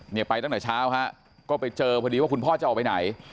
เนี่ยไปตั้งแต่เช้าฮะก็ไปเจอพอดีว่าคุณพ่อจะออกไปไหน